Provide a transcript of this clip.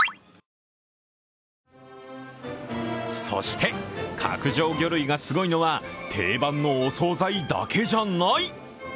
そして、角上魚類がすごいのは、定番のお総菜だけじゃない。